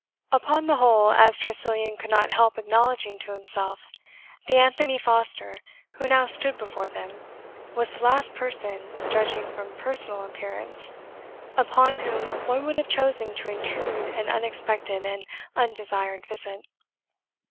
Upon the whole, as Tressilian could not help acknowledging to himself, the Anthony Foster who now stood before them was the last person, judging from personal appearance, upon whom one would have chosen to intrude an unexpected and undesired visit.